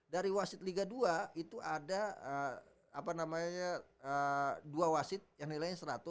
dari wasit liga dua itu ada dua wasit yang nilainya seratus